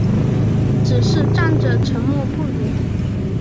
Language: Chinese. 只是站着沉默不语